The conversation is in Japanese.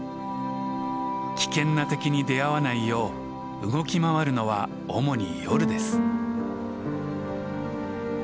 危険な敵に出会わないよう動き回るのは主に夜です。